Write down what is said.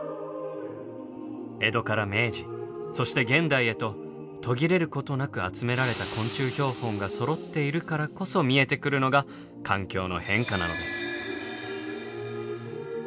江戸から明治そして現代へと途切れることなく集められた昆虫標本がそろっているからこそ見えてくるのが環境の変化なのです。